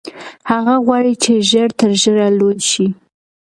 هغه غواړي چې ژر تر ژره لوی شي.